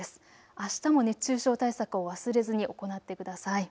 あしたも熱中症対策を忘れずに行ってください。